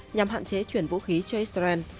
nhằm hạn chế chuyển vũ khí cho israel